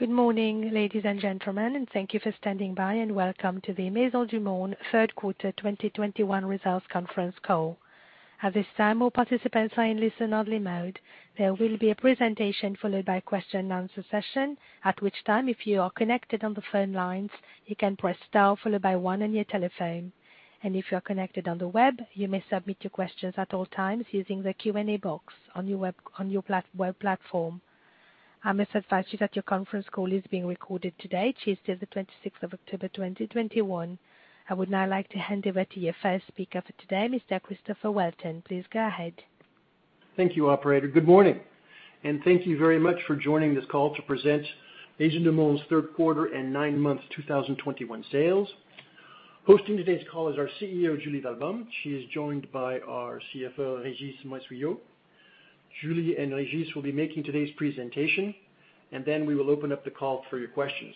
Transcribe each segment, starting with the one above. Good morning, ladies and gentlemen, and thank you for standing by, and welcome to the Maisons du Monde third quarter 2021 results conference call. At this time, all participants are in listen only mode. There will be a presentation followed by a question and answer session, at which time, if you are connected on the phone lines, you can press star followed by one on your telephone. If you are connected on the web, you may submit your questions at all times using the Q&A box on your web, on your plat-web platform. I must advise you that your conference call is being recorded today, Tuesday the 26th of October, 2021. I would now like to hand over to your first speaker for today, Mr. Christopher Welton. Please go ahead. Thank you, operator. Good morning, and thank you very much for joining this call to present Maisons du Monde's third quarter and nine months 2021 sales. Hosting today's call is our CEO, Julie Walbaum. She is joined by our CFO, Régis Massuyeau. Julie and Régis will be making today's presentation, and then we will open up the call for your questions.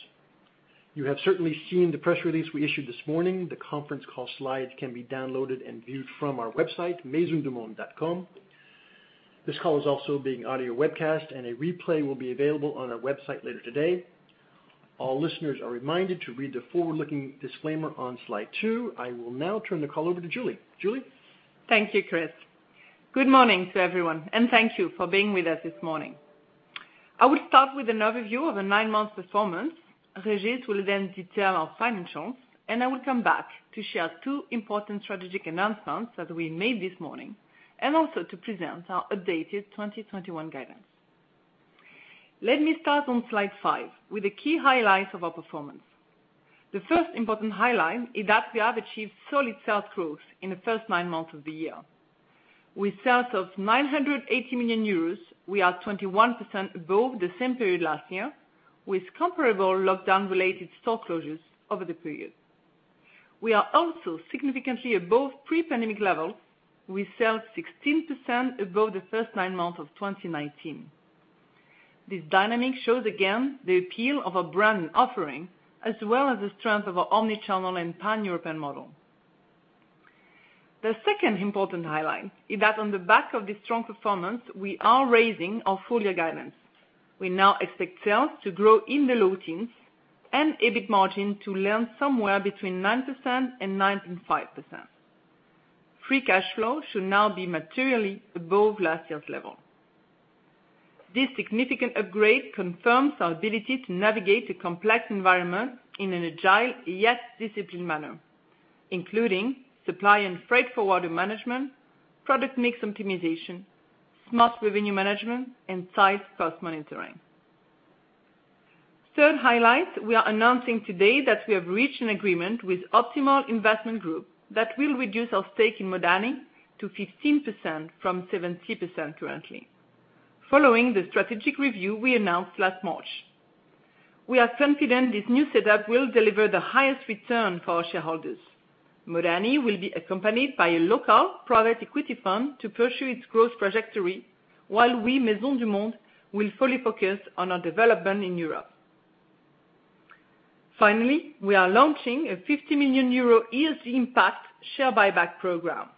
You have certainly seen the press release we issued this morning. The conference call slides can be downloaded and viewed from our website, maisonsdumonde.com. This call is also being audio webcast, and a replay will be available on our website later today. All listeners are reminded to read the forward-looking disclaimer on slide two. I will now turn the call over to Julie. Julie? Thank you, Chris. Good morning to everyone, and thank you for being with us this morning. I will start with an overview of the nine months performance. Regis will then detail our financials, and I will come back to share two important strategic announcements that we made this morning, and also to present our updated 2021 guidance. Let me start on slide five with the key highlights of our performance. The first important highlight is that we have achieved solid sales growth in the first nine months of the year. With sales of 980 million euros, we are 21% above the same period last year, with comparable lockdown related store closures over the period. We are also significantly above pre-pandemic levels. We are 16% above the first nine months of 2019. This dynamic shows again the appeal of our brand and offering, as well as the strength of our omni-channel and pan-European model. The second important highlight is that on the back of this strong performance, we are raising our full year guidance. We now expect sales to grow in the low teens and EBIT margin to land somewhere between 9% and 9.5%. Free cash flow should now be materially above last year's level. This significant upgrade confirms our ability to navigate a complex environment in an agile, yet disciplined manner, including supply and freight forwarder management, product mix optimization, smart revenue management, and tight cost monitoring. Third highlight, we are announcing today that we have reached an agreement with Optimal Investment Group that will reduce our stake in Modani to 15% from 70% currently, following the strategic review we announced last March. We are confident this new setup will deliver the highest return for our shareholders. Modani will be accompanied by a local private equity fund to pursue its growth trajectory, while we, Maisons du Monde, will fully focus on our development in Europe. Finally, we are launching a 50 million euro ESG impact share buyback program,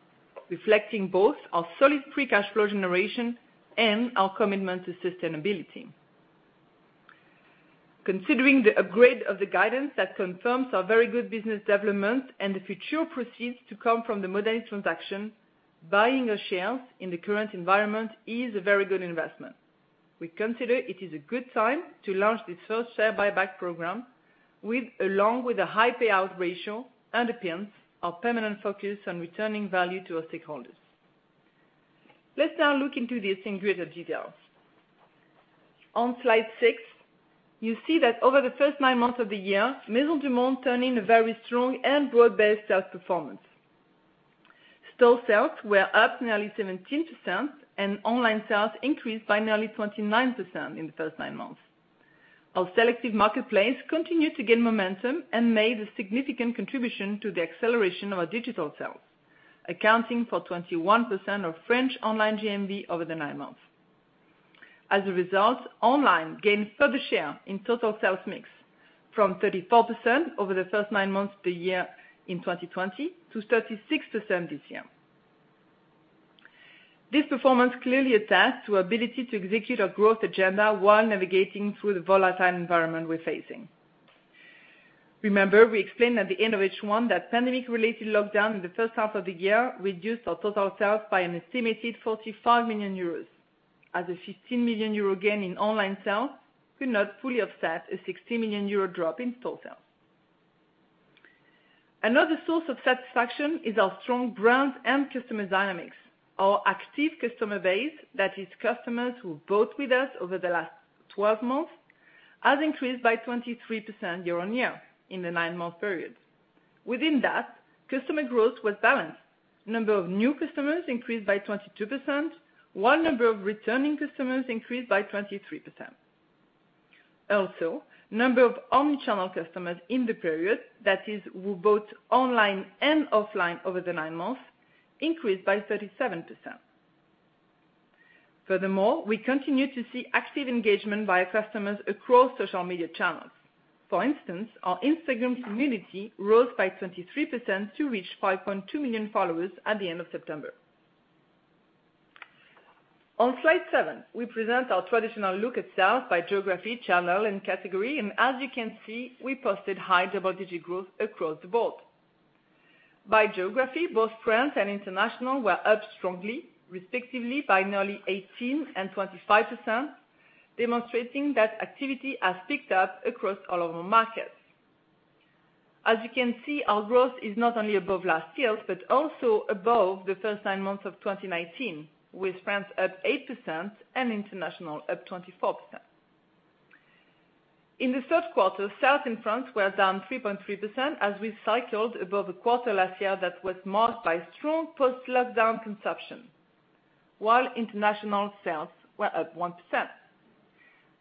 reflecting both our solid free cash flow generation and our commitment to sustainability. Considering the upgrade of the guidance that confirms our very good business development and the future proceeds to come from the Modani transaction, buying our shares in the current environment is a very good investment. We consider it is a good time to launch this first share buyback program with a high payout ratio that underpins our permanent focus on returning value to our stakeholders. Let's now look into this in greater detail. On slide six, you see that over the first nine months of the year, Maisons du Monde turned in a very strong and broad-based sales performance. Store sales were up nearly 17%, and online sales increased by nearly 29% in the first nine months. Our selective marketplace continued to gain momentum and made a significant contribution to the acceleration of our digital sales, accounting for 21% of French online GMV over the nine months. As a result, online gained further share in total sales mix from 34% over the first nine months of the year in 2020 to 36% this year. This performance clearly attests to our ability to execute our growth agenda while navigating through the volatile environment we're facing. Remember, we explained at the end of H1 that pandemic-related lockdown in the first half of the year reduced our total sales by an estimated 45 million euros, as a 15 million euro gain in online sales could not fully offset a 60 million euro drop in store sales. Another source of satisfaction is our strong brand and customer dynamics. Our active customer base, that is customers who bought with us over the last 12 months, has increased by 23% year-on-year in the nine month period. Within that, customer growth was balanced. Number of new customers increased by 22%, while number of returning customers increased by 23%. Also, number of omni-channel customers in the period, that is who bought online and offline over the nine months, increased by 37%. Furthermore, we continue to see active engagement by our customers across social media channels. For instance, our Instagram community rose by 23% to reach 5.2 million followers at the end of September. On slide seven, we present our traditional look at sales by geography, channel and category. As you can see, we posted high double-digit growth across the board. By geography, both France and international were up strongly, respectively by nearly 18% and 25%, demonstrating that activity has picked up across all of our markets. As you can see, our growth is not only above last year's, but also above the first nine months of 2019, with France up 8% and international up 24%. In the third quarter, sales in France were down 3.3% as we cycled above a quarter last year that was marked by strong post-lockdown consumption, while international sales were up 1%.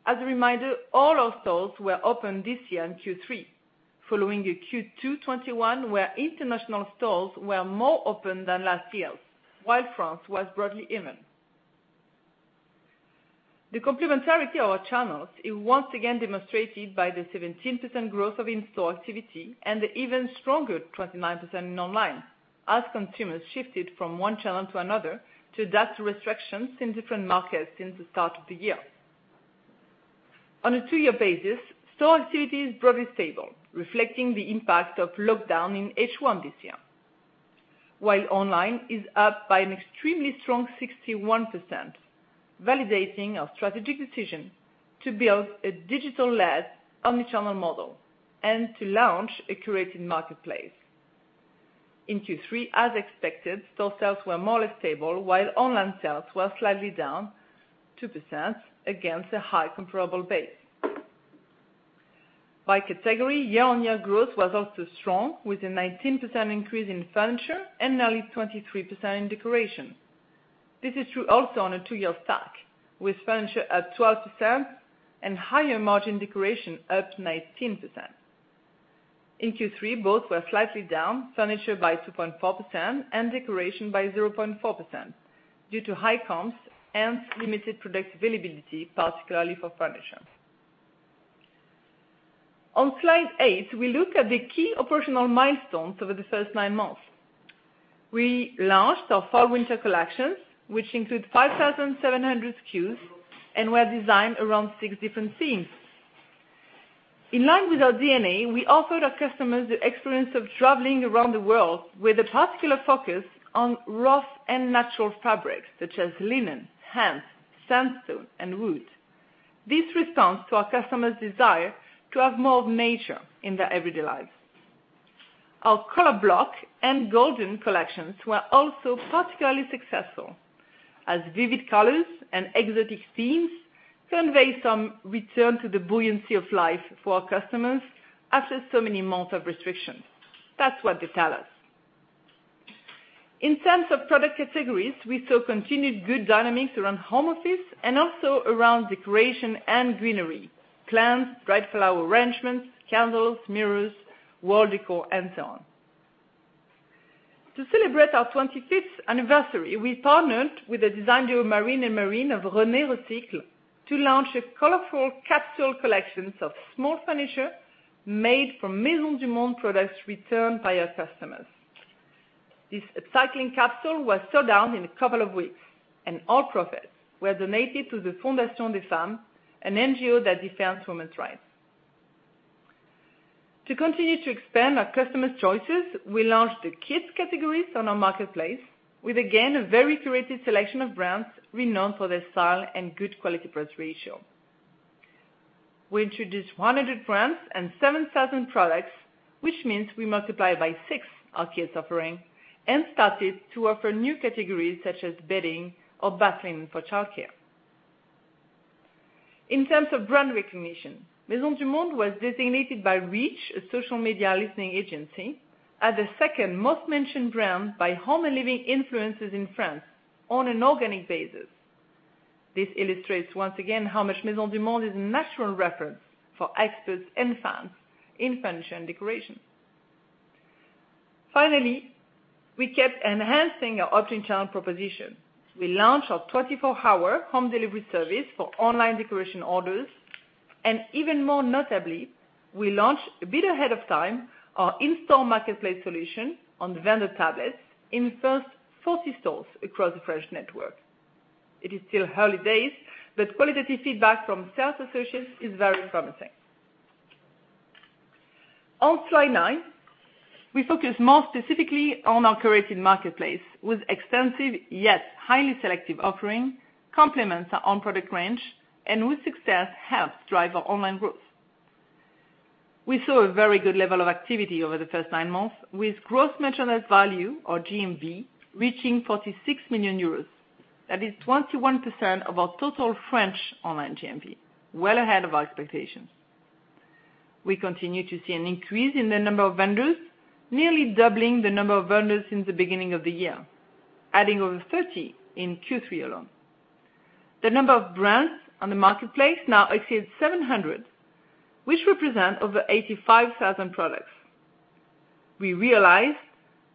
As a reminder, all our stores were open this year in Q3, following a Q2 2021, where international stores were more open than last year's, while France was broadly even. The complementarity of our channels is once again demonstrated by the 17% growth of in-store activity and the even stronger 29% in online as consumers shifted from one channel to another to adapt to restrictions in different markets since the start of the year. On a two-year basis, store activity is broadly stable, reflecting the impact of lockdown in H1 this year, while online is up by an extremely strong 61%, validating our strategic decision to build a digital-led omni-channel model and to launch a curated marketplace. In Q3, as expected, store sales were more or less stable, while online sales were slightly down 2% against a high comparable base. By category, year-on-year growth was also strong with a 19% increase in furniture and nearly 23% in decoration. This is true also on a two-year stack, with furniture up 12% and higher margin decoration up 19%. In Q3, both were slightly down, furniture by 2.4% and decoration by 0.4% due to high comps and limited product availability, particularly for furniture. On slide eight, we look at the key operational milestones over the first nine months. We launched our fall winter collections, which include 5,700 SKUs and were designed around six different themes. In line with our DNA, we offered our customers the experience of traveling around the world with a particular focus on rough and natural fabrics such as linen, hemp, sandstone, and wood. This responds to our customers' desire to have more of nature in their everyday lives. Our color block and golden collections were also particularly successful as vivid colors and exotic themes convey some return to the buoyancy of life for our customers after so many months of restriction. That's what they tell us. In terms of product categories, we saw continued good dynamics around home office and also around decoration and greenery, plants, dried flower arrangements, candles, mirrors, wall decor and so on. To celebrate our 25th anniversary, we partnered with a design duo, Marine and Marine of Renée Recycle, to launch a colorful capsule collections of small furniture made from Maisons du Monde products returned by our customers. This upcycling capsule was sold out in a couple of weeks, and all profits were donated to the Fondation des Femmes, an NGO that defends women's rights. To continue to expand our customers choices, we launched the kids categories on our marketplace with again, a very curated selection of brands renowned for their style and good quality price ratio. We introduced 100 brands and 7,000 products, which means we multiplied by six our kids offering and started to offer new categories such as bedding or bath linen for childcare. In terms of brand recognition, Maisons du Monde was designated by Reech, a social media listening agency, as the second most mentioned brand by home and living influencers in France on an organic basis. This illustrates once again how much Maisons du Monde is a natural reference for experts and fans in furniture and decoration. Finally, we kept enhancing our omnichannel proposition. We launched our 24-hour home delivery service for online decoration orders, and even more notably, we launched a bit ahead of time our in-store marketplace solution on vendor tablets in first 40 stores across the French network. It is still early days, but qualitative feedback from sales associates is very promising. On slide nine, we focus more specifically on our curated marketplace with extensive, yet highly selective offering, complements our own product range and with success helps drive our online growth. We saw a very good level of activity over the first nine months with gross merchandise volume, or GMV, reaching 46 million euros. That is 21% of our total French online GMV, well ahead of our expectations. We continue to see an increase in the number of vendors, nearly doubling the number of vendors since the beginning of the year, adding over 30 in Q3 alone. The number of brands on the marketplace now exceeds 700, which represent over 85,000 products. We realized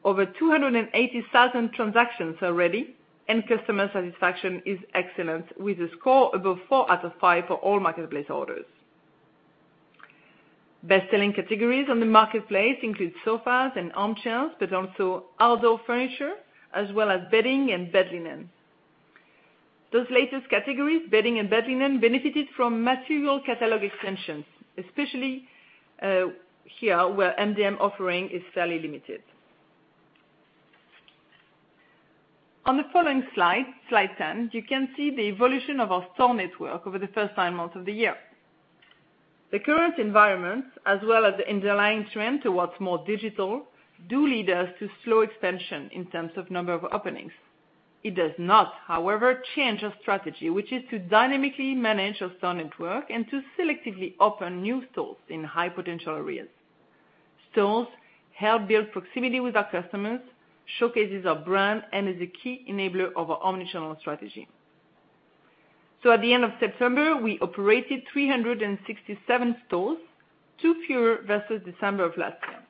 over 280,000 transactions already, and customer satisfaction is excellent, with a score of four out of five for all marketplace orders. Best selling categories on the marketplace include sofas and armchairs, but also outdoor furniture, as well as bedding and bed linen. Those latest categories, bedding and bed linen, benefited from material catalog extensions, especially here, where MDM offering is fairly limited. On the following slide 10, you can see the evolution of our store network over the first nine months of the year. The current environment, as well as the underlying trend towards more digital, do lead us to slow expansion in terms of number of openings. It does not, however, change our strategy, which is to dynamically manage our store network and to selectively open new stores in high potential areas. Stores help build proximity with our customers, showcases our brand, and is a key enabler of our omni-channel strategy. At the end of September, we operated 367 stores, two fewer versus December of last year.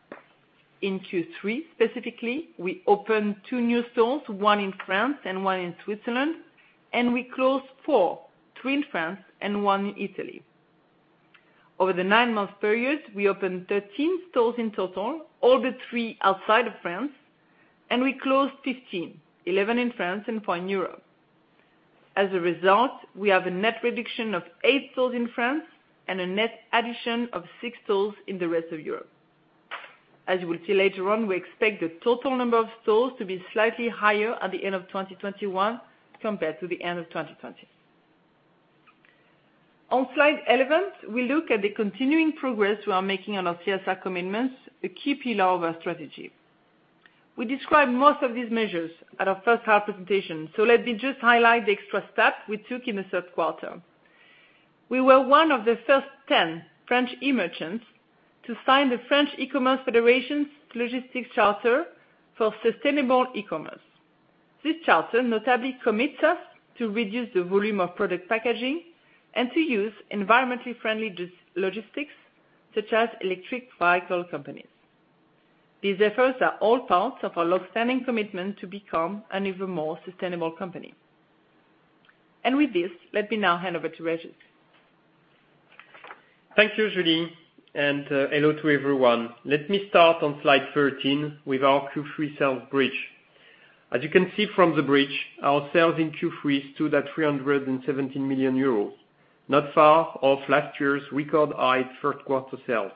In Q3 specifically, we opened two new stores, one in France and one in Switzerland, and we closed four, three in France and one in Italy. Over the nine-month period, we opened 13 stores in total, all but three outside of France, and we closed 15, 11 in France and four in Europe. As a result, we have a net reduction of eight stores in France and a net addition of six stores in the rest of Europe. As you will see later on, we expect the total number of stores to be slightly higher at the end of 2021 compared to the end of 2020. On slide 11, we look at the continuing progress we are making on our CSR commitments, a key pillar of our strategy. We described most of these measures at our first half presentation, so let me just highlight the extra step we took in the third quarter. We were one of the first 10 French e-merchants to sign the French e-commerce Federation's logistics charter for sustainable e-commerce. This charter notably commits us to reduce the volume of product packaging and to use environmentally friendly eco-logistics such as electric vehicle companies. These efforts are all parts of our long-standing commitment to become an even more sustainable company. With this, let me now hand over to Régis. Thank you, Julie, and hello to everyone. Let me start on slide 13 with our Q3 sales bridge. As you can see from the bridge, our sales in Q3 stood at 317 million euros, not far off last year's record high third quarter sales.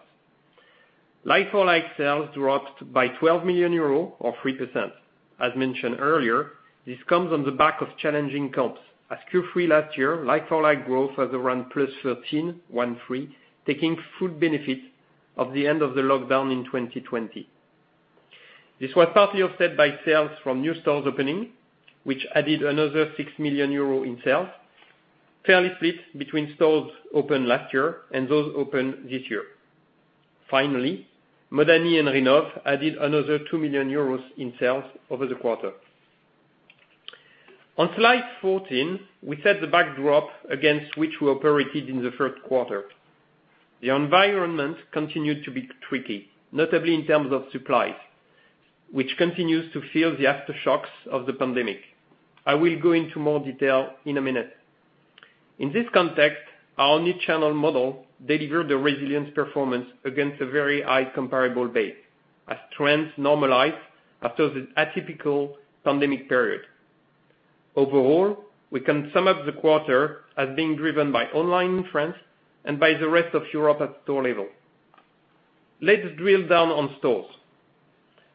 Like-for-like sales dropped by 12 million euro, or 3%. As mentioned earlier, this comes on the back of challenging comps. In Q3 last year, like-for-like growth was around +13, taking full benefit of the end of the lockdown in 2020. This was partly offset by sales from new stores opening, which added another 6 million euros in sales, fairly split between stores opened last year and those opened this year. Finally, Modani and Rhinov added another 2 million euros in sales over the quarter. On slide 14, we set the backdrop against which we operated in the third quarter. The environment continued to be tricky, notably in terms of supplies, which continues to feel the aftershocks of the pandemic. I will go into more detail in a minute. In this context, our new channel model delivered a resilient performance against a very high comparable base as trends normalize after the atypical pandemic period. Overall, we can sum up the quarter as being driven by online in France and by the rest of Europe at store level. Let's drill down on stores.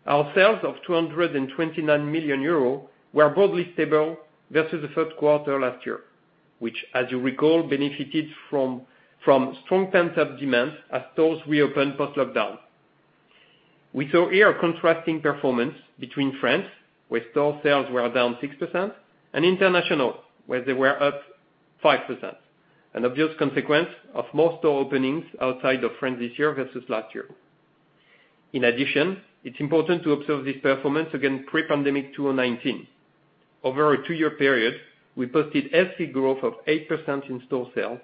Our sales of 229 million euros were broadly stable versus the third quarter last year, which as you recall, benefited from strong pent-up demand as stores reopened post-lockdown. We saw here a contrasting performance between France, where store sales were down 6%, and international, where they were up 5%, an obvious consequence of more store openings outside of France this year versus last year. In addition, it's important to observe this performance against pre-pandemic 2019. Over a two-year period, we posted healthy growth of 8% in store sales,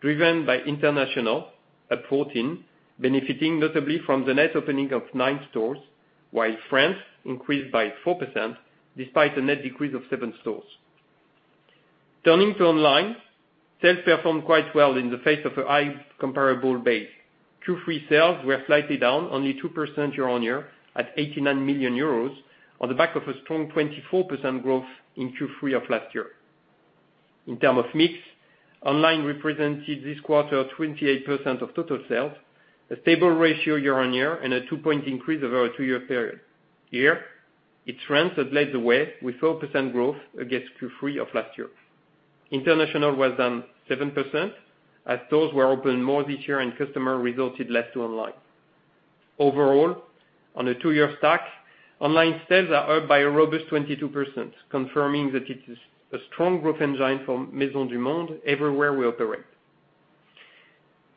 driven by international at 14%, benefiting notably from the net opening of nine stores, while France increased by 4% despite a net decrease of seven stores. Turning to online, sales performed quite well in the face of a high comparable base. Q3 sales were slightly down only 2% year-on-year at 89 million euros on the back of a strong 24% growth in Q3 of last year. In terms of mix, online represented this quarter 28% of total sales, a stable ratio year-on-year and a two-point increase over a two-year period. Here, it's France that led the way with 4% growth against Q3 of last year. International was down 7% as more stores were opened this year and customers resorted less to online. Overall, on a two-year stack, online sales are up by a robust 22% confirming that it is a strong growth engine for Maisons du Monde everywhere we operate.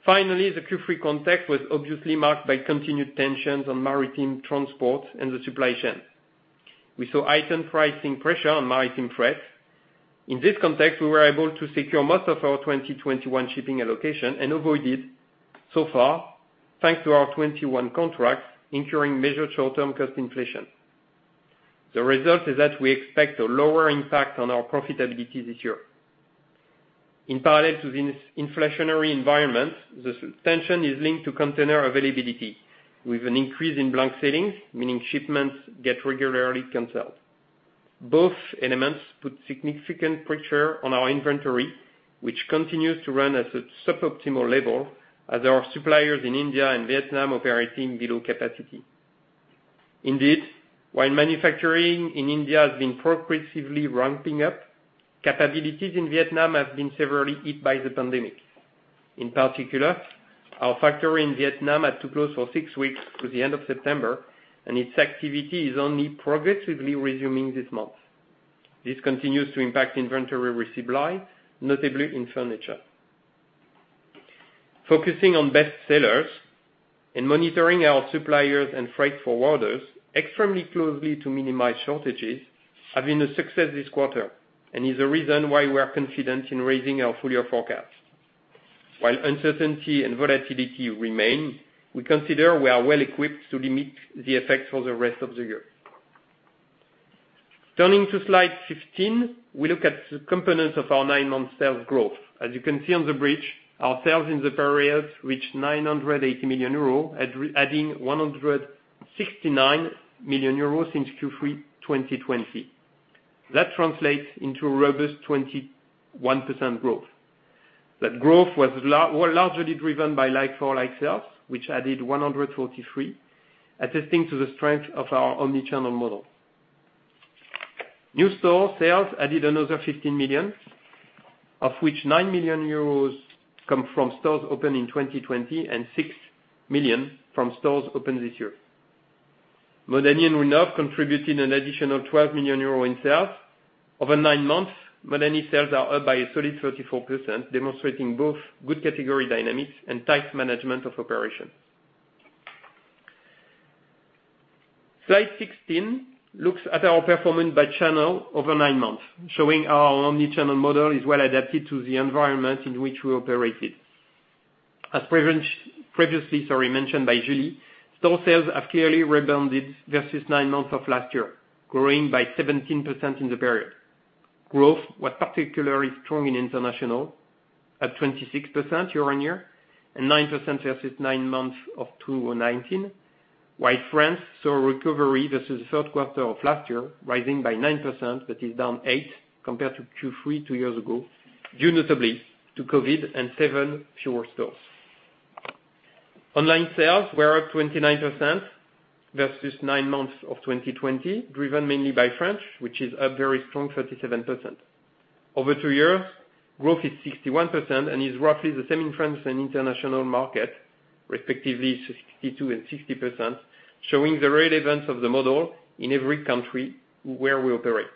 Finally, the Q3 context was obviously marked by continued tensions on maritime transport and the supply chain. We saw heightened pricing pressure on maritime freight. In this context, we were able to secure most of our 2021 shipping allocation and avoided so far, thanks to our 2021 contracts, incurring measured short-term cost inflation. The result is that we expect a lower impact on our profitability this year. In parallel to this inflationary environment, the tension is linked to container availability, with an increase in blank sailings, meaning shipments get regularly canceled. Both elements put significant pressure on our inventory, which continues to run at a suboptimal level as our suppliers in India and Vietnam operating below capacity. Indeed, while manufacturing in India has been progressively ramping up, capabilities in Vietnam have been severely hit by the pandemic. In particular, our factory in Vietnam had to close for six weeks through the end of September, and its activity is only progressively resuming this month. This continues to impact inventory resupply, notably in furniture. Focusing on best sellers and monitoring our suppliers and freight forwarders extremely closely to minimize shortages have been a success this quarter, and is the reason why we are confident in raising our full-year forecast. While uncertainty and volatility remain, we consider we are well equipped to limit the effects for the rest of the year. Turning to slide 15, we look at the components of our nine-month sales growth. As you can see on the bridge, our sales in the period reached 980 million euros, adding 169 million euros since Q3 2020. That translates into a robust 21% growth. That growth was largely driven by like-for-like sales, which added $143 million, attesting to the strength of our omnichannel model. New store sales added another 15 million, of which 9 million euros come from stores opened in 2020 and 6 million from stores opened this year. Modani and Rhinov contributed an additional 12 million euros in sales. Over nine months, Modani sales are up by a solid 34%, demonstrating both good category dynamics and tight management of operations. Slide 16 looks at our performance by channel over nine months, showing our omni-channel model is well adapted to the environment in which we operated. As previously mentioned by Julie, store sales have clearly rebounded versus nine months of last year, growing by 17% in the period. Growth was particularly strong in international, at 26% year-on-year and 9% versus nine months of 2019. While France saw a recovery versus the third quarter of last year, rising by 9%, but is down 8% compared to Q3 two years ago, due notably to COVID and seven fewer stores. Online sales were up 29% versus nine months of 2020, driven mainly by France, which is up very strong 37%. Over two years, growth is 61% and is roughly the same in France and international market, respectively 62% and 60%, showing the relevance of the model in every country where we operate.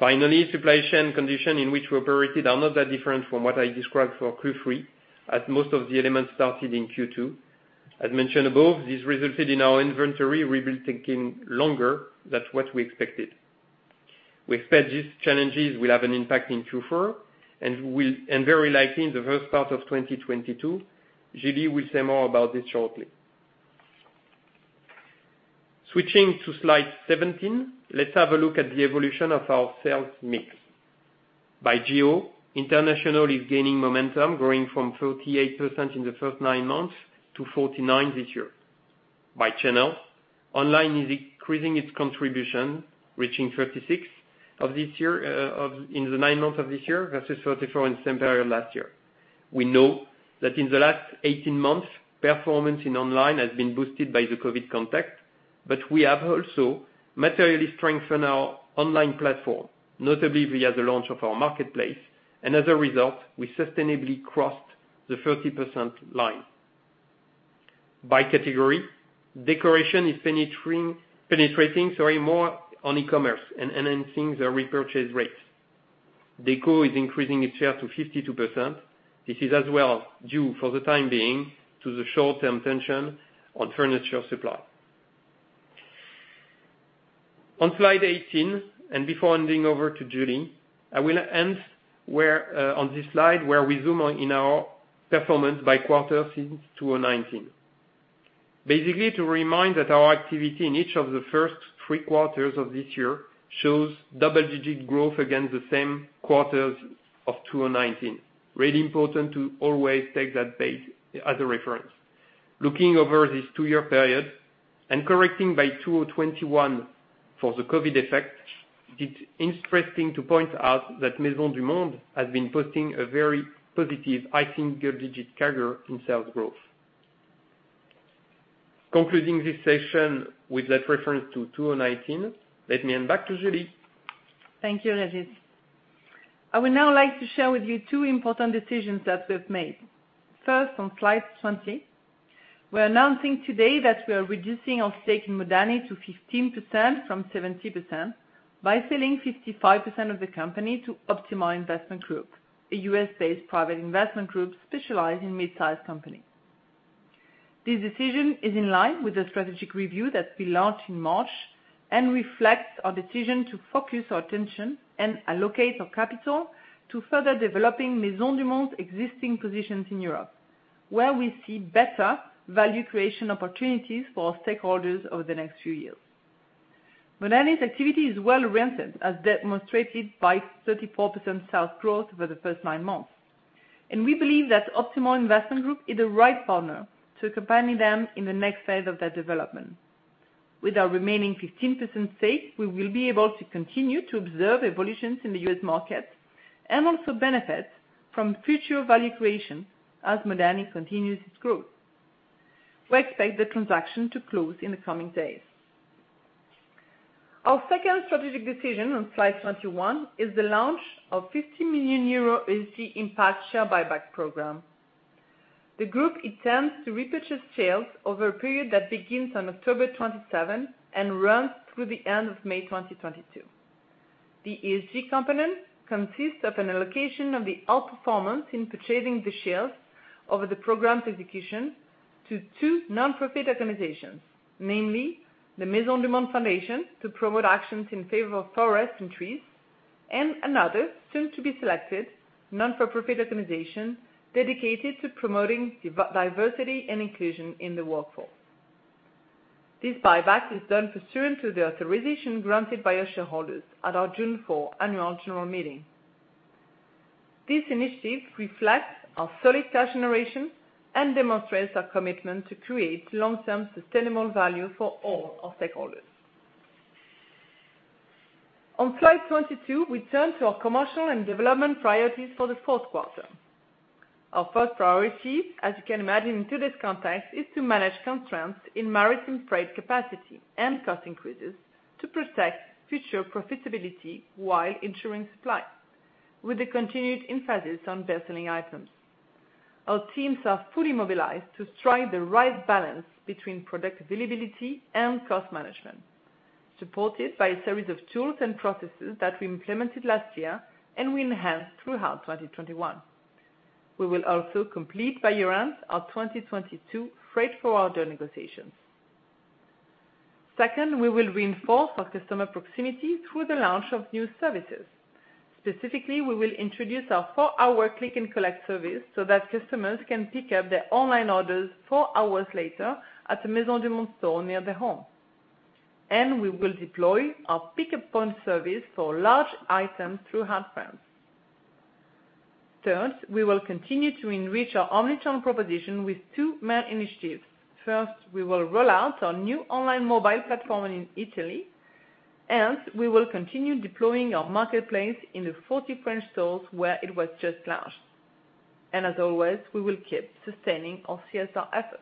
Finally, supply chain condition in which we operated are not that different from what I described for Q3, as most of the elements started in Q2. As mentioned above, this resulted in our inventory rebuilding longer than what we expected. We expect these challenges will have an impact in Q4 and very likely in the first part of 2022. Julie will say more about this shortly. Switching to slide 17, let's have a look at the evolution of our sales mix. By geo, international is gaining momentum, growing from 38% in the first nine months to 49% this year. By channel, online is increasing its contribution, reaching 36% in the nine months of this year, versus 34% in the same period last year. We know that in the last 18 months, performance in online has been boosted by the COVID context, but we have also materially strengthened our online platform, notably via the launch of our marketplace. As a result, we sustainably crossed the 30% line. By category, decoration is penetrating more on e-commerce and enhancing the repurchase rate. Deco is increasing its share to 52%. This is as well due, for the time being, to the short-term tension on furniture supply. On slide 18, and before handing over to Julie, I will end on this slide where we zoom in on our performance by quarter since 2019. Basically, to remind that our activity in each of the first three quarters of this year shows double-digit growth against the same quarters of 2019. Really important to always take that base as a reference. Looking over this two-year period and correcting by 2021 for the COVID effect, it's interesting to point out that Maisons du Monde has been posting a very positive high single digit CAGR in sales growth. Concluding this session with that reference to 2019, let me hand back to Julie. Thank you, Régis. I would now like to share with you two important decisions that we've made. First, on slide 20, we're announcing today that we are reducing our stake in Modani to 15% from 70% by selling 55% of the company to Optimal Investment Group, a U.S.-based private investment group specialized in mid-sized companies. This decision is in line with the strategic review that we launched in March and reflects our decision to focus our attention and allocate our capital to further developing Maisons du Monde's existing positions in Europe, where we see better value creation opportunities for our stakeholders over the next few years. Modani's activity is well rounded, as demonstrated by 34% sales growth over the first nine months. We believe that Optimal Investment Group is the right partner to accompany them in the next phase of their development. With our remaining 15% stake, we will be able to continue to observe evolutions in the U.S. market and also benefit from future value creation as Modani continues its growth. We expect the transaction to close in the coming days. Our second strategic decision on slide 21 is the launch of 50 million euro ESG impact share buyback program. The group intends to repurchase shares over a period that begins on October 27 and runs through the end of May 2022. The ESG component consists of an allocation of the outperformance in purchasing the shares over the program's execution to two nonprofit organizations, namely the Maisons du Monde Foundation, to promote actions in favor of forests and trees, and another soon to be selected not-for-profit organization dedicated to promoting diversity and inclusion in the workforce. This buyback is done pursuant to the authorization granted by our shareholders at our June 4 annual general meeting. This initiative reflects our solid cash generation and demonstrates our commitment to create long-term sustainable value for all our stakeholders. On slide 22, we turn to our commercial and development priorities for the fourth quarter. Our first priority, as you can imagine in today's context, is to manage constraints in maritime freight capacity and cost increases to protect future profitability while ensuring supply, with a continued emphasis on best-selling items. Our teams are fully mobilized to strike the right balance between product availability and cost management, supported by a series of tools and processes that we implemented last year and we enhanced throughout 2021. We will also complete by year-end our 2022 freight forwarder negotiations. Second, we will reinforce our customer proximity through the launch of new services. Specifically, we will introduce our four-hour click-and-collect service so that customers can pick up their online orders four hours later at the Maisons du Monde store near their home. We will deploy our pickup point service for large items throughout France. Third, we will continue to enrich our omni channel proposition with two main initiatives. First, we will roll out our new online mobile platform in Italy, and we will continue deploying our marketplace in the 40 French stores where it was just launched. As always, we will keep sustaining our CSR efforts.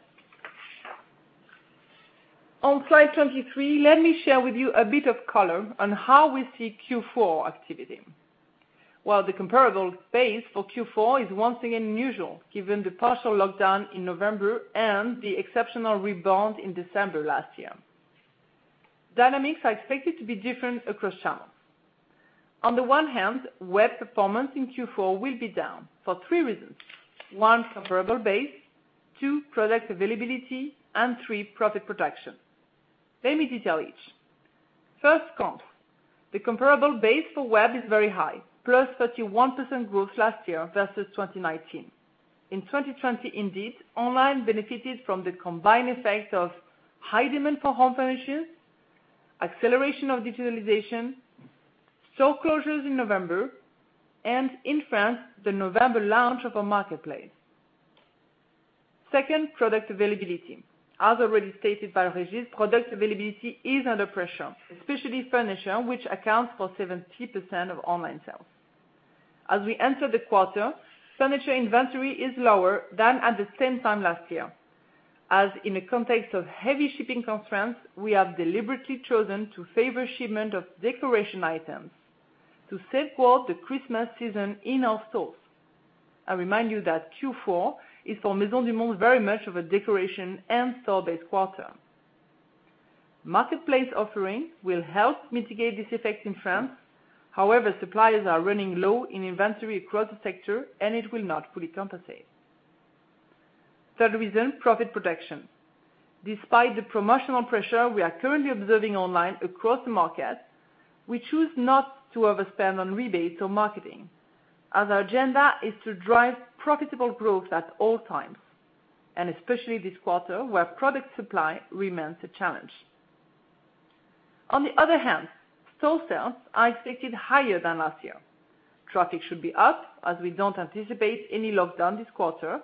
On slide 23, let me share with you a bit of color on how we see Q4 activity. While the comparable base for Q4 is once again unusual, given the partial lockdown in November and the exceptional rebound in December last year, dynamics are expected to be different across channels. On the one hand, web performance in Q4 will be down for three reasons. One, comparable base, two, product availability, and three, profit protection. Let me detail each. First, comp. The comparable base for web is very high, plus 31% growth last year versus 2019. In 2020 indeed, online benefited from the combined effect of high demand for home finishes, acceleration of digitalization, store closures in November, and in France, the November launch of our marketplace. Second, product availability. As already stated by Régis, product availability is under pressure, especially furniture, which accounts for 70% of online sales. As we enter the quarter, furniture inventory is lower than at the same time last year. As in a context of heavy shipping constraints, we have deliberately chosen to favor shipment of decoration items to safeguard the Christmas season in our stores. I remind you that Q4 is for Maisons du Monde very much of a decoration and store-based quarter. Marketplace offering will help mitigate this effect in France. However, suppliers are running low in inventory across the sector, and it will not fully compensate. Third reason, profit protection. Despite the promotional pressure we are currently observing online across the market, we choose not to overspend on rebates or marketing, as our agenda is to drive profitable growth at all times, and especially this quarter, where product supply remains a challenge. On the other hand, store sales are expected higher than last year. Traffic should be up as we don't anticipate any lockdown this quarter.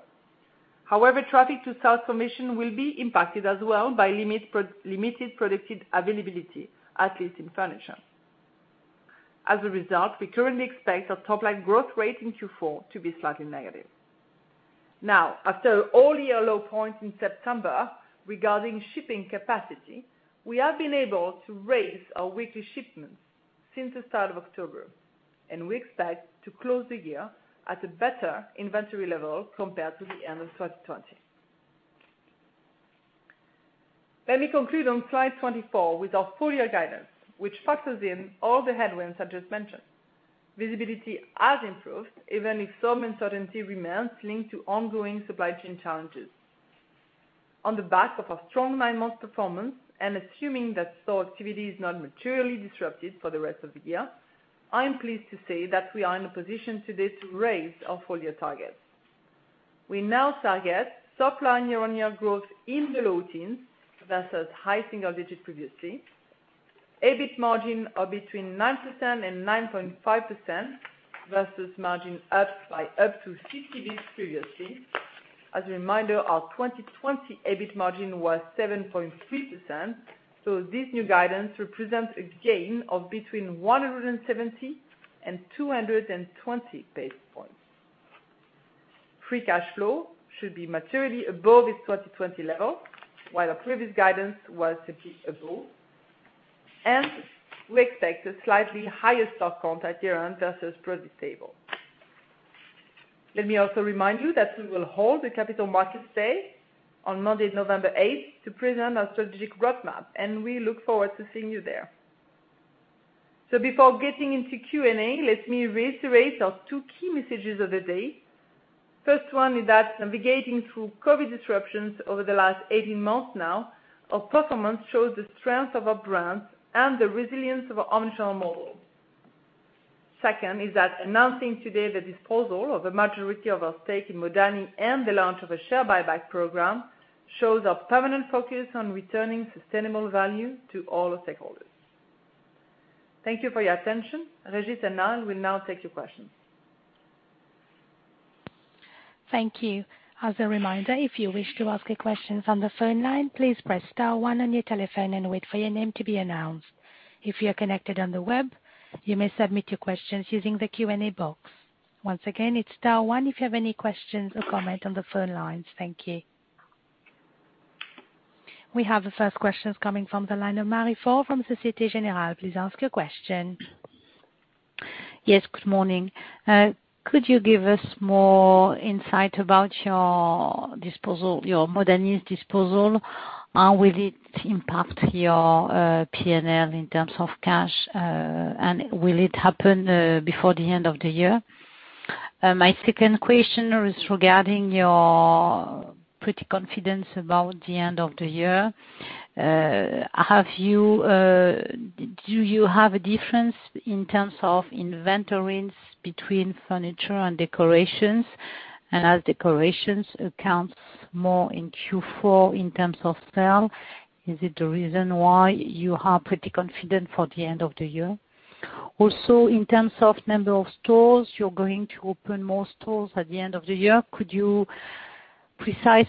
However, traffic to sales conversion will be impacted as well by limited product availability, at least in furniture. As a result, we currently expect our top line growth rate in Q4 to be slightly negative. Now, after all-year low point in September regarding shipping capacity, we have been able to raise our weekly shipments since the start of October, and we expect to close the year at a better inventory level compared to the end of 2020. Let me conclude on slide 24 with our full-year guidance, which factors in all the headwinds I just mentioned. Visibility has improved, even if some uncertainty remains linked to ongoing supply chain challenges. On the back of our strong nine-month performance and assuming that store activity is not materially disrupted for the rest of the year, I'm pleased to say that we are in a position today to raise our full-year targets. We now target top-line year-on-year growth in the low teens versus high single digits previously. EBIT margin of between 9% and 9.5% versus margin up by up to 60 basis points previously. As a reminder, our 2020 EBIT margin was 7.3%, so this new guidance represents a gain of between 170 and 220 basis points. Free cash flow should be materially above its 2020 level, while our previous guidance was simply above. We expect a slightly higher store count at year-end versus stable growth. Let me also remind you that we will hold a Capital Markets Day on Monday, November 8 to present our strategic roadmap, and we look forward to seeing you there. Before getting into Q&A, let me reiterate our two key messages of the day. First one is that navigating through COVID disruptions over the last 18 months now, our performance shows the strength of our brands and the resilience of our omnichannel model. Second is that announcing today the disposal of the majority of our stake in Modani and the launch of a share buyback program shows our permanent focus on returning sustainable value to all our stakeholders. Thank you for your attention. Régis and Alain will now take your questions. Thank you. As a reminder, if you wish to ask a question on the phone line, please press star one on your telephone and wait for your name to be announced. If you are connected on the web, you may submit your questions using the Q&A box. Once again, it's star one if you have any questions or comments on the phone lines. Thank you. We have the first question coming from the line of Marie Fort from Société Générale. Please ask your question. Yes, good morning. Could you give us more insight about your disposal, your Modani's disposal? Will it impact your P&L in terms of cash? And will it happen before the end of the year? My second question is regarding your pretty confidence about the end of the year. Do you have a difference in terms of inventories between furniture and decorations? And as decorations account for more in Q4 in terms of sales, is it the reason why you are pretty confident for the end of the year? Also, in terms of number of stores, you are going to open more stores at the end of the year. Could you specify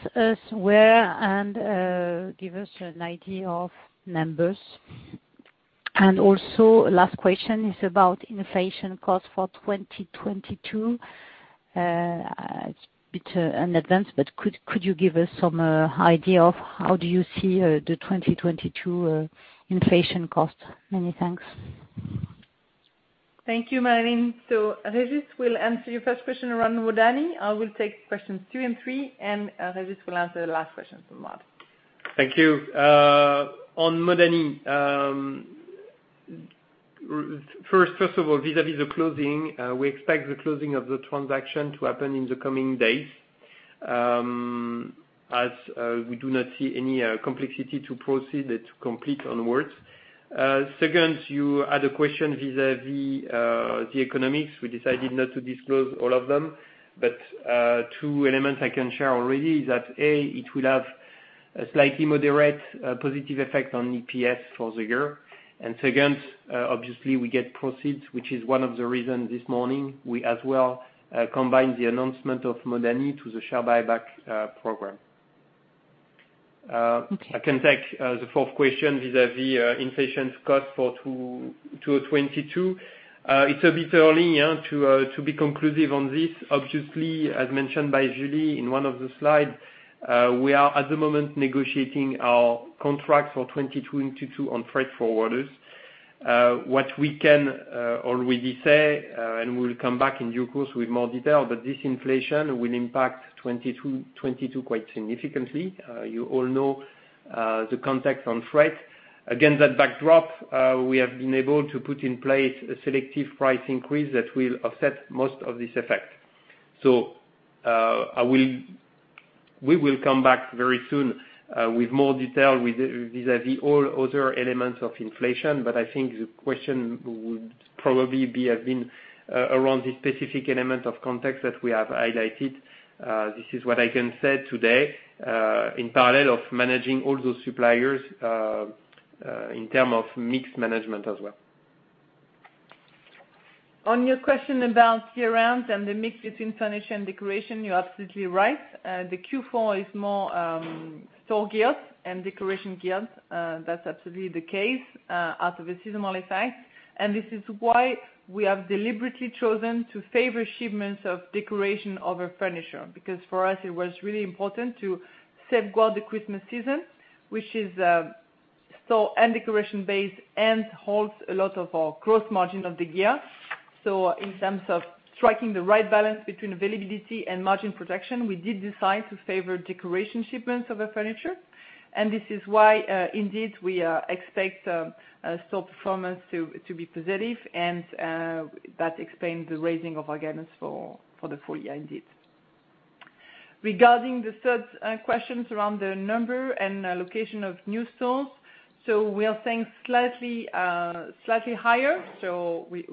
where and give us an idea of numbers? Last question is about inflation cost for 2022. It's a bit in advance, but could you give us some idea of how do you see the 2022 inflation cost? Many thanks. Thank you, Marie. Régis will answer your first question around Modani. I will take questions two and three, and Régis will answer the last question from Marie. Thank you. On Modani, first of all, vis-a-vis the closing, we expect the closing of the transaction to happen in the coming days, as we do not see any complexity to proceed it to complete onwards. Second, you had a question vis-a-vis the economics. We decided not to disclose all of them, but two elements I can share already is that, A, it will have a slightly moderate positive effect on EPS for the year. Second, obviously we get proceeds, which is one of the reasons this morning we as well combine the announcement of Modani to the share buyback program. Okay. I can take the fourth question vis-à-vis inflation cost for 2022. It's a bit early, you know, to be conclusive on this. Obviously, as mentioned by Julie in one of the slides, we are at the moment negotiating our contracts for 2022 on freight forwarders. What we can already say, and we'll come back in due course with more detail, but this inflation will impact 2022 quite significantly. You all know the context on freight. Against that backdrop, we have been able to put in place a selective price increase that will offset most of this effect. We will come back very soon with more detail vis-à-vis all other elements of inflation, but I think the question would probably have been around the specific element of context that we have highlighted. This is what I can say today, in parallel of managing all those suppliers in terms of mix management as well. On your question about year-round and the mix between furniture and decoration, you're absolutely right. The Q4 is more store geared and decoration geared. That's absolutely the case out of a seasonal effect. This is why we have deliberately chosen to favor shipments of decoration over furniture, because for us it was really important to safeguard the Christmas season, which is store and decoration based and holds a lot of our growth margin of the year. In terms of striking the right balance between availability and margin protection, we did decide to favor decoration shipments over furniture. This is why indeed we expect store performance to be positive and that explains the raising of our guidance for the full year indeed. Regarding the third questions around the number and location of new stores, we are saying slightly higher, so we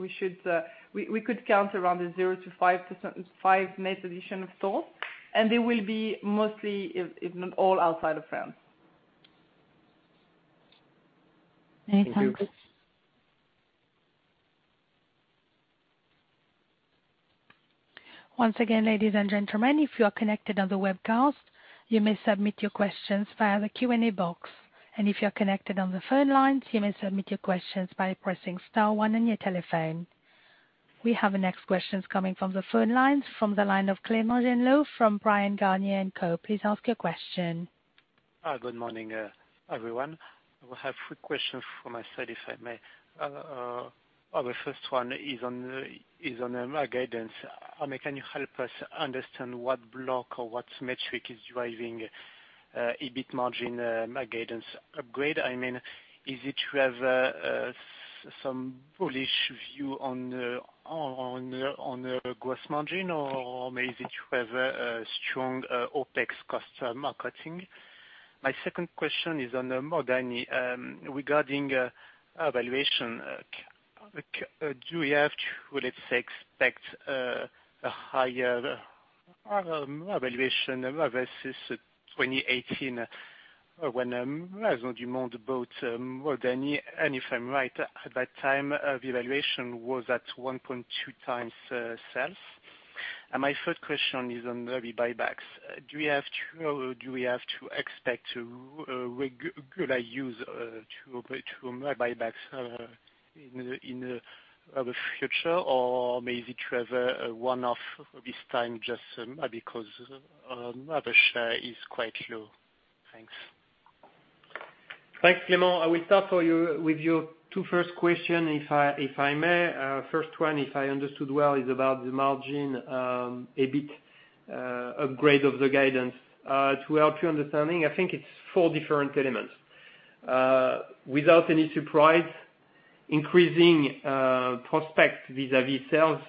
could count around zero to five net addition of stores, and they will be mostly, if not all, outside of France. Many thanks. Once again, ladies and gentlemen, if you are connected on the webcast, you may submit your questions via the Q&A box, and if you are connected on the phone lines, you may submit your questions by pressing star one on your telephone. We have the next questions coming from the phone lines from the line of Clément Genelot from Bryan, Garnier & Co. Please ask your question. Good morning, everyone. I will have three questions from my side, if I may. Our first one is on guidance. I mean, can you help us understand what lever or what metric is driving EBIT margin guidance upgrade? I mean, is it that you have some bullish view on the gross margin, or maybe a strong OpEx cost marketing? My second question is on the Modani regarding valuation. Do we have to, let's say, expect a higher valuation versus 2018, when Maisons du Monde bought Modani? And if I'm right, at that time, the valuation was at 1.2x sales. My third question is on the buybacks. Do we have to expect regular use of buybacks in the future, or may it be a one-off this time just because the share is quite low? Thanks. Thanks, Clément. I will start for you with your two first question, if I may. First one, if I understood well, is about the margin, a bit upgrade of the guidance. To help you understanding, I think it's four different elements. Without any surprise, increasing prospects vis-a-vis sales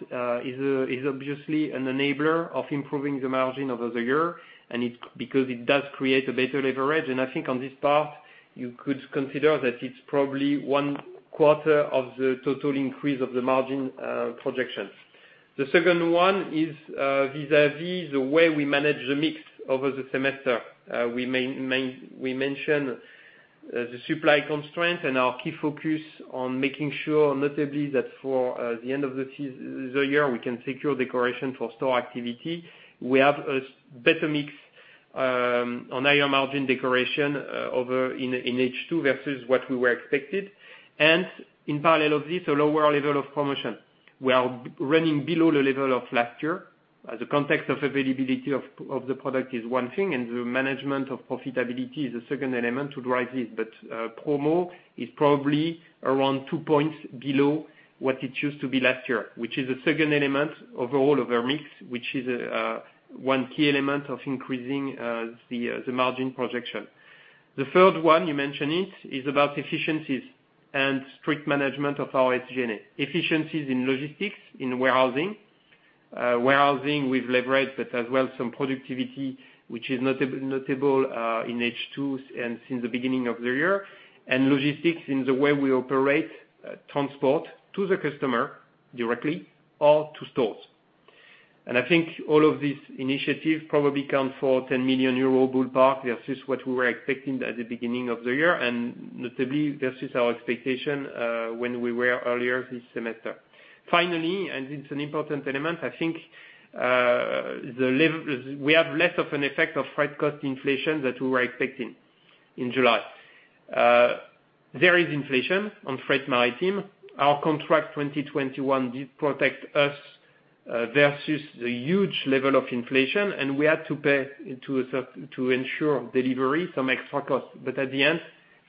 is obviously an enabler of improving the margin over the year, and it's because it does create a better leverage. I think on this part, you could consider that it's probably one quarter of the total increase of the margin projections. The second one is vis-a-vis the way we manage the mix over the semester. We mention the supply constraint and our key focus on making sure notably that for the end of the year, we can secure decoration for store activity. We have a better mix on higher margin decoration over in H2 versus what we were expected. In parallel of this, a lower level of promotion. We are running below the level of last year. The context of availability of the product is one thing, and the management of profitability is a second element to drive this. Promo is probably around two points below what it used to be last year, which is the second element overall of our mix, which is one key element of increasing the margin projection. The third one, you mentioned it, is about efficiencies and strict management of our SG&A. Efficiencies in logistics, in warehousing. Warehousing with leverage, but as well some productivity, which is notable in H2 and since the beginning of the year. Logistics in the way we operate transport to the customer directly or to stores. I think all of these initiatives probably account for 10 million euro ballpark versus what we were expecting at the beginning of the year, and notably versus our expectation when we were earlier this semester. Finally, it's an important element, I think. We have less of an effect of freight cost inflation than we were expecting in July. There is inflation on freight maritime. Our contract 2021 did protect us versus the huge level of inflation, and we had to pay to ensure delivery some extra cost. But at the end,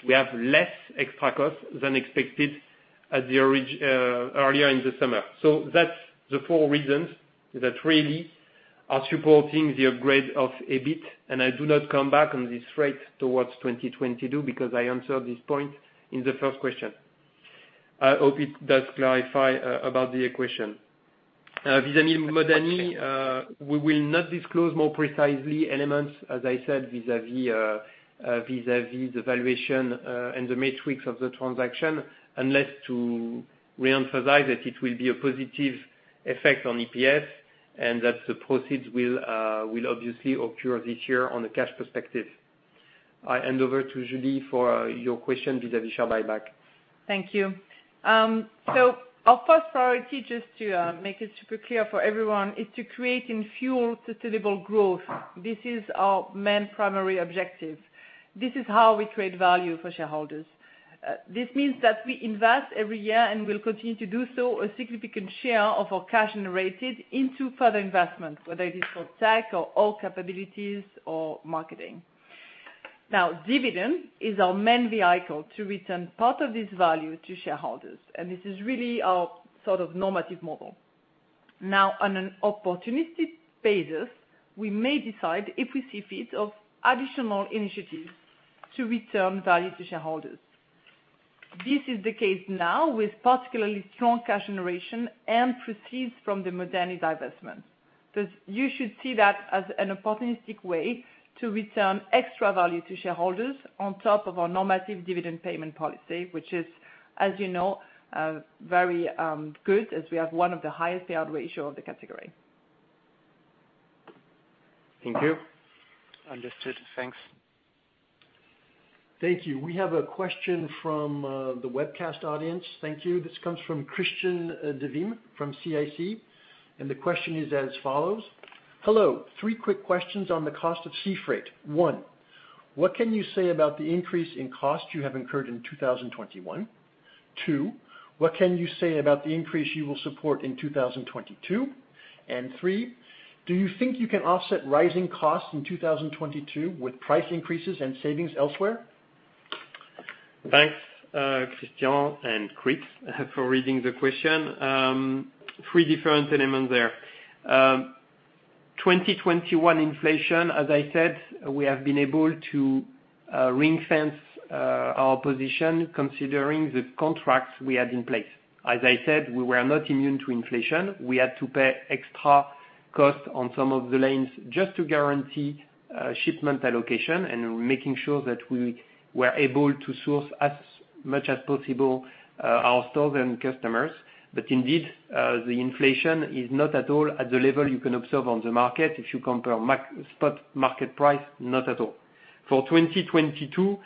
we have less extra cost than expected earlier in the summer. That's the four reasons that really are supporting the upgrade of EBIT, and I do not come back on this rate towards 2022, because I answered this point in the first question. I hope it does clarify about the equation. Vis-à-vis Modani, we will not disclose more precisely elements, as I said, vis-à-vis the valuation, and the metrics of the transaction, unless to reemphasize that it will be a positive effect on EPS and that the proceeds will obviously occur this year on a cash perspective. I hand over to Julie for your question vis-à-vis share buyback. Thank you. So our first priority, just to make it super clear for everyone, is to create and fuel sustainable growth. This is our main primary objective. This is how we create value for shareholders. This means that we invest every year, and will continue to do so, a significant share of our cash generated into further investments, whether it is for tech or all capabilities or marketing. Now, dividend is our main vehicle to return part of this value to shareholders, and this is really our sort of normative model. Now, on an opportunistic basis, we may decide if we see fit to additional initiatives to return value to shareholders. This is the case now with particularly strong cash generation and proceeds from the Modani divestment. You should see that as an opportunistic way to return extra value to shareholders on top of our normative dividend payment policy, which is, as you know, good as we have one of the highest payout ratio of the category. Thank you. Understood. Thanks. Thank you. We have a question from the webcast audience. Thank you. This comes from Christian Devineau from CIC, and the question is as follows: Hello, three quick questions on the cost of sea freight. One, what can you say about the increase in cost you have incurred in 2021? Two, what can you say about the increase you will support in 2022? And three, do you think you can offset rising costs in 2022 with price increases and savings elsewhere? Thanks, Christian and Chris for reading the question. Three different elements there. 2021 inflation, as I said, we have been able to ring-fence our position considering the contracts we had in place. As I said, we were not immune to inflation. We had to pay extra costs on some of the lanes just to guarantee shipment allocation and making sure that we were able to source as much as possible our stores and customers. Indeed, the inflation is not at all at the level you can observe on the market if you compare spot market price, not at all. For 2022,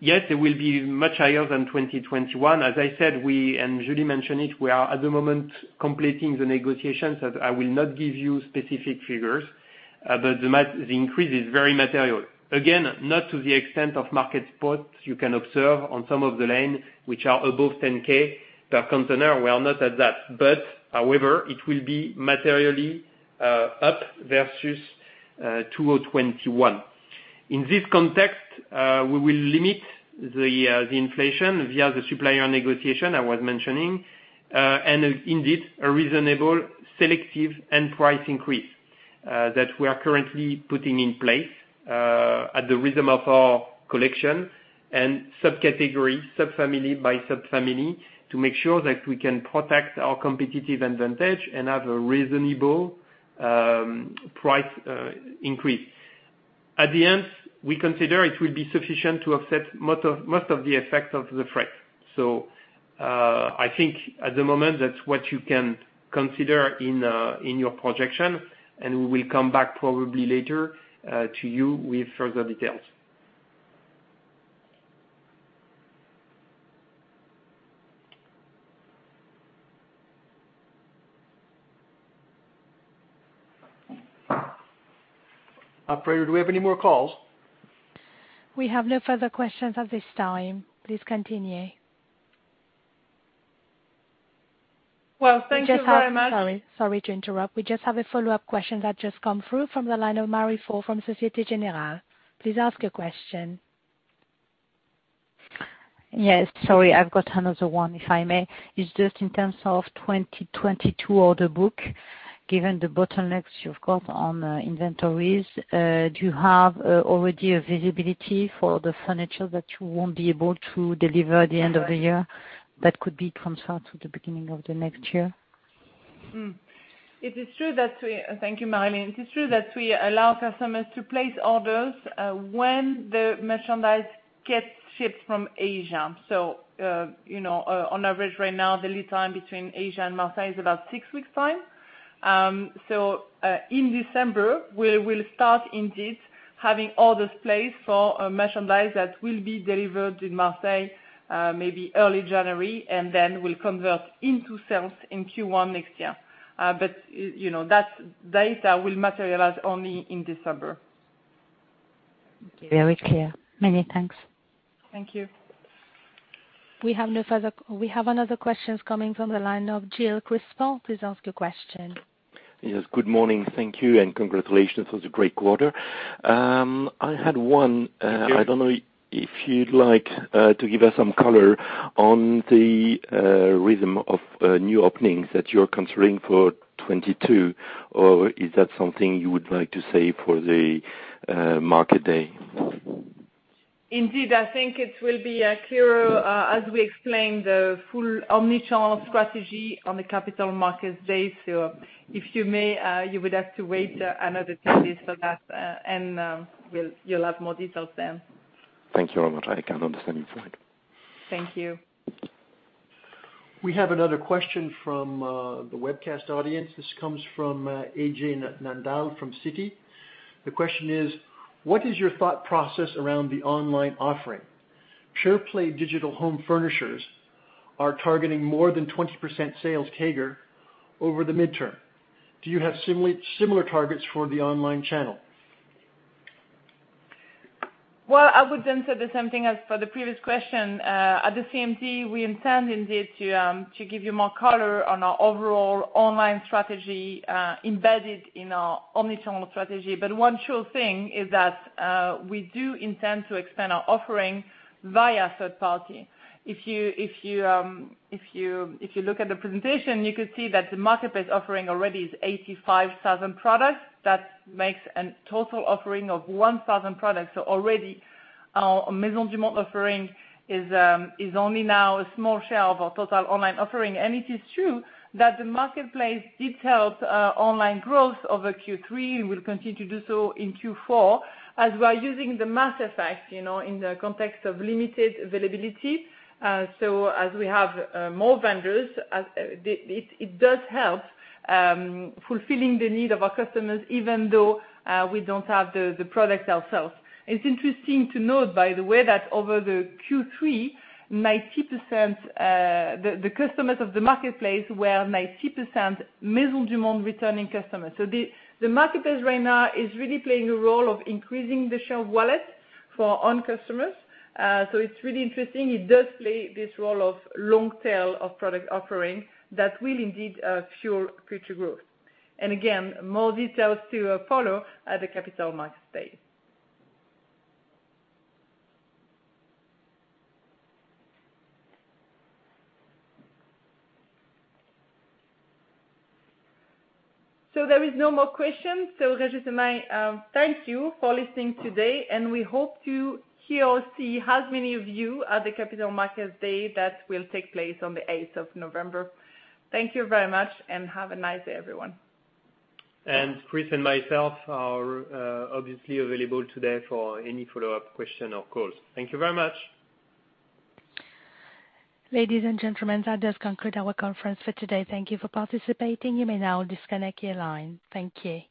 yes, it will be much higher than 2021. As I said, we, and Julie mentioned it, we are at the moment completing the negotiations. I will not give you specific figures, but the increase is very material. Again, not to the extent of spot rates you can observe on some of the lanes, which are above $10,000 per container. We are not at that, but however, it will be materially up versus 2021. In this context, we will limit the inflation via the supplier negotiation I was mentioning, and indeed a reasonable selective end-price increase that we are currently putting in place at the rhythm of our collection and subcategory, subfamily by subfamily, to make sure that we can protect our competitive advantage and have a reasonable price increase. At the end, we consider it will be sufficient to offset most of the effects of the freight. I think at the moment that's what you can consider in your projection, and we will come back probably later to you with further details. Operator, do we have any more calls? We have no further questions at this time. Please continue. Well, thank you very much. Sorry to interrupt. We just have a follow-up question that just come through from the line of Marie Fort from Société Générale. Please ask your question. Yes. Sorry. I've got another one, if I may. It's just in terms of 2022 order book, given the bottlenecks you've got on inventories, do you have already a visibility for the furniture that you won't be able to deliver at the end of the year that could be confirmed to the beginning of the next year? Thank you, Marie. It's true that we allow customers to place orders when the merchandise gets shipped from Asia. You know, on average right now, the lead time between Asia and Marseille is about six weeks' time. In December, we'll start indeed having orders placed for merchandise that will be delivered in Marseille, maybe early January and then will convert into sales in Q1 next year. You know, that data will materialize only in December. Okay. Very clear. Many thanks. Thank you. We have another question coming from the line of Jill Crystal. Please ask your question. Yes. Good morning. Thank you, and congratulations on the great quarter. I had one. Okay. I don't know if you'd like to give us some color on the rhythm of new openings that you're considering for 2022, or is that something you would like to save for the market day? Indeed, I think it will be clearer as we explain the full omni-channel strategy on the Capital Markets Day. If you may, you would have to wait another 10 days for that, and you'll have more details then. Thank you very much. I can understand it's right. Thank you. We have another question from the webcast audience. This comes from AJ Nandal from Citi. The question is: What is your thought process around the online offering? Pure play digital home furnishers are targeting more than 20% sales CAGR over the medium term. Do you have similar targets for the online channel? Well, I would then say the same thing as for the previous question. At the CMD, we intend indeed to give you more color on our overall online strategy, embedded in our omni-channel strategy. One sure thing is that we do intend to expand our offering via third party. If you look at the presentation, you could see that the marketplace offering already is 85,000 products. That makes a total offering of 100,000 products. So already our Maisons du Monde offering is only a small share of our total online offering. It is true that the marketplace drove the online growth over Q3 will continue to do so in Q4, as we're using the mass effect, you know, in the context of limited availability. As we have more vendors, it does help fulfilling the need of our customers, even though we don't have the products ourselves. It's interesting to note, by the way, that over the Q3, 90% of the customers of the marketplace were 90% Maisons du Monde returning customers. The marketplace right now is really playing a role of increasing the share of wallet for our own customers. It's really interesting. It does play this role of long tail of product offering that will indeed fuel future growth. Again, more details to follow at the Capital Markets Day. There is no more questions. Régis and I thank you for listening today, and we hope to hear or see as many of you at the Capital Markets Day that will take place on the 8th of November. Thank you very much and have a nice day, everyone. Chris and myself are obviously available today for any follow-up question or calls. Thank you very much. Ladies and gentlemen, that does conclude our conference for today. Thank you for participating. You may now disconnect your line. Thank you.